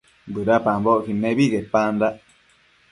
bëdapambocquid nebi quepandac